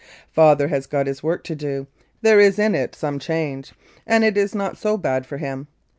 Father has got his work to do, there is in it some change, and it is not so bad for him.